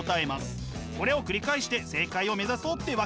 これを繰り返して正解を目指そうってわけ。